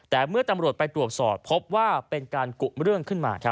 แต่เมื่อตำรวจไปตรวจสอบพบว่าเป็นการกุเรื่องขึ้นมา